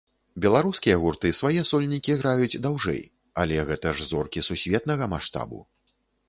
Беларускія гурты свае сольнікі граюць даўжэй, але гэта ж зоркі сусветнага маштабу.